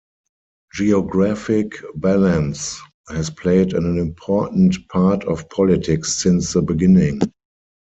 Geographic balance has played an important part of politics since the beginning.